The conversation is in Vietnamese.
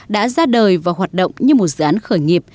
đã ra đời và hoạt động như một dự án khởi nghiệp